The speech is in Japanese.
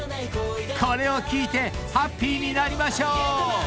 ［これを聴いてハッピーになりましょう！］